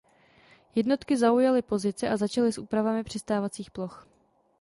Jednotky zaujaly pozice a začaly s úpravami přistávacích ploch.